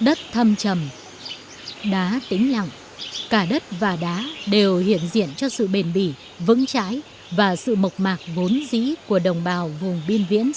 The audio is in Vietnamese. đất thâm trầm đá tính lặng cả đất và đá đều hiện diện cho sự bền bỉ vững trái và sự mộc mạc vốn dĩ của đồng bào vùng biên viễn xa